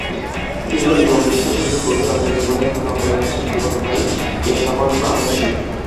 কিন্তু নিয়মনিষ্ঠার সহিত গভীর অন্তর্জীবনের কোন অপরিহার্য সম্পর্ক নাই, এই সম্বন্ধ আকস্মিক।